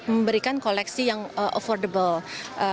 memberikan koleksi yang affordable